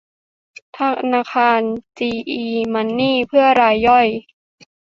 ธนาคารจีอี มันนี่ เพื่อรายย่อย